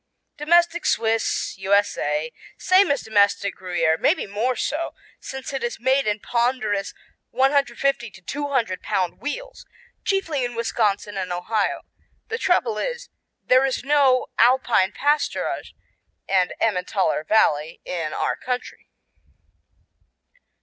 Domestic Swiss U.S.A Same as domestic Gruyère, maybe more so, since it is made in ponderous 150 to 200 pound wheels, chiefly in Wisconsin and Ohio. The trouble is there is no Alpine pasturage and Emmentaler Valley in our country.